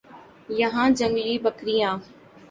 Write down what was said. یہاں جنگلی بکریاں